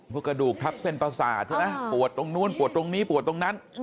กระดูกทับเส้นประสาทใช่ไหมปวดตรงนู้นปวดตรงนี้ปวดตรงนั้น